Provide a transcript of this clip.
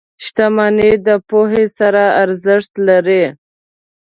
• شتمني د پوهې سره ارزښت لري.